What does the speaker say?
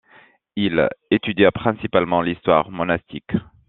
Il étudia principalement l'histoire monastique.